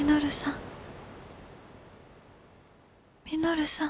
稔さん。